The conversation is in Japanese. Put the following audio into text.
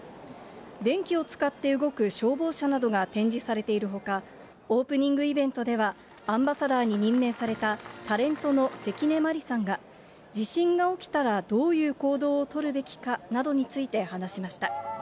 電気を使って動く消防車などが展示されているほか、オープニングイベントでは、アンバサダーに任命されたタレントの関根麻里さんが、地震が起きたらどういう行動を取るべきかなどについて話しました。